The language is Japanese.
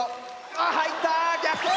あっ入った！逆転！